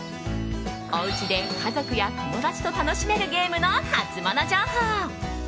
お家で家族や友達と楽しめるゲームのハツモノ情報。